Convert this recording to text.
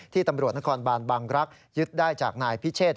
ตำรวจนครบานบางรักษ์ยึดได้จากนายพิเชษ